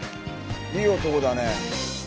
いい男だね。